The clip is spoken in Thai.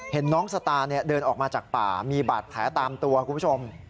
เห็นน้องสตาร์เดินออกมาจากป่ามีบาดแผลตามตัวคุณผู้ชม